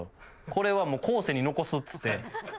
これはもう後世に残すっつって。